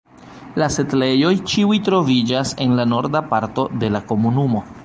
La setlejoj ĉiuj troviĝas en la norda parto de la komunumo.